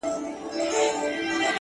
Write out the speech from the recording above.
o داسي نه كړو،